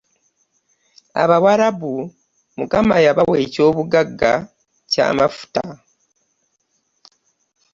Abawalabu Mukama yabawa ekyobugagga ky'amafuta.